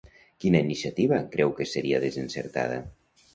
Quina iniciativa creu que seria desencertada?